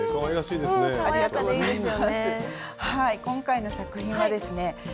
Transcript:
今回の作品はですね